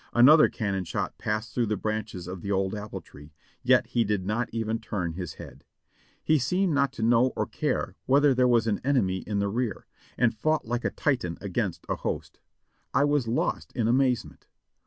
Another cannon shot passed through the branches of the old apple tree, yet he did not even turn his head. He seemed THE REAR GUARD OE THE GRAND ARMY. 553 not to know or care whether there was an enemy in the rear, and fonght hke a Titan against a host. I was lost in amazement.